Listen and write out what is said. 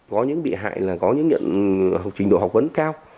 có những bị hại là có những trình độ học vấn cao